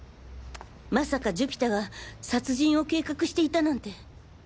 まさか寿飛太が殺人を計画していたなんて。